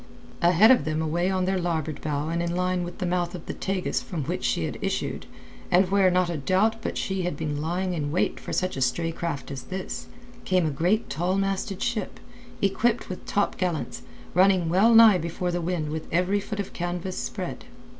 Ahead of them away on their larboard bow and in line with the mouth of the Tagus from which she had issued—and where not a doubt but she had been lying in wait for such stray craft as this—came a great tall masted ship, equipped with top gallants, running wellnigh before the wind with every foot of canvas spread.